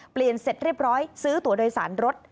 เสร็จเรียบร้อยซื้อตัวโดยสารรถ